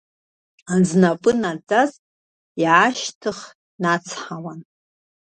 Знапы наӡаз, иаашьҭых днацҳауан.